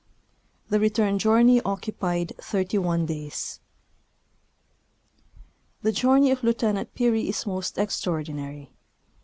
The return journey occupied thirty one days. The journey of Lieutenant Peary is most extraordinary.